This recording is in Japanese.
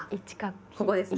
ここですね。